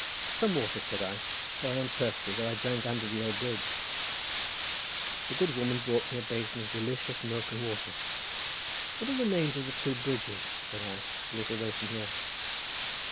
"Some water," said I, "for I am thirsty, though I drank under the old bridge." The good woman brought me a basin of delicious milk and water. "What are the names of the two bridges," said I, "a little way from here?"